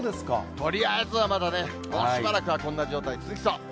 とりあえずはまだね、もうしばらくはこんな状態、続きそう。